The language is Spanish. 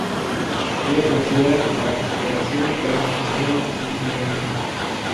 Ella considera que para que su relación de pareja funcione, necesita tener un hijo.